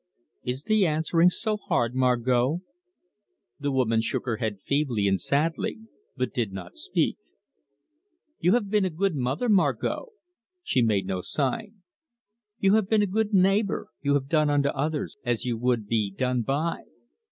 "Is the answering so hard, Margot?" The woman shook her head feebly and sadly, but did not speak. "You have been a good mother, Margot." She made no sign. "You have been a good neighbour; you have done unto others as you would be done by."